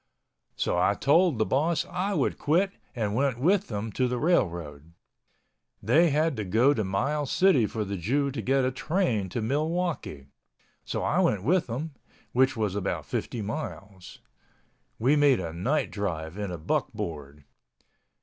So I told the boss I would quit and went with them to the railroad—they had to go to Miles City for the Jew to get a train to Milwaukee. So I went with them, which was about 50 miles. We made a night drive in a buckboard.